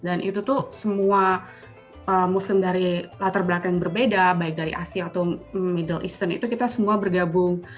dan itu tuh semua muslim dari latar belakang yang berbeda baik dari asia atau middle eastern itu kita semua bergabung